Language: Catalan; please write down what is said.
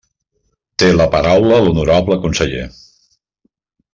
Té la paraula l'honorable conseller.